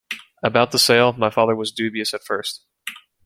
About the sale, my father was dubious at first.